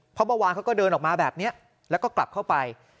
เพราะเมื่อวานเขาก็เดินออกมาแบบนี้แล้วก็กลับเข้าไป